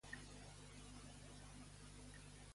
Amb quin espai real s'ha assimilat Avalon?